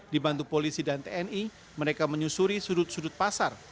dibantu polisi dan tni mereka menyusuri sudut sudut pasar